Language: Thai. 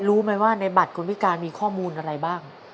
รู้ไหมว่าในบัตรคนพิการมีข้อมูลอะไรบ้าง